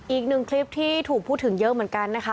อีกหนึ่งคลิปที่ถูกพูดถึงเยอะเหมือนกันนะคะ